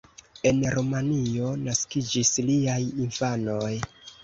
En Rumanio naskiĝis liaj infanoj.